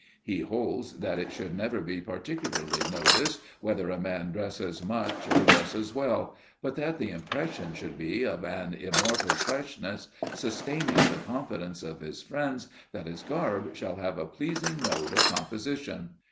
He holds that it should never be particularly noticed whether a man dresses much or dresses well, but that the impression should be of an immortal freshness, sustaining the confidence of his friends that his garb shall have a pleasing note of composition.